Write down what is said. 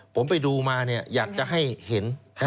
ผมไปดูมาอยากจะให้เห็น